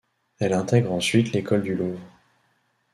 Elle intègre ensuite l'école du Louvre.